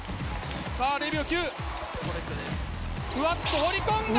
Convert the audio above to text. さあ０秒９。